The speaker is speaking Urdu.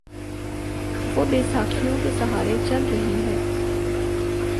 وہ بیساکھیوں کے سہارے چل رہی ہے۔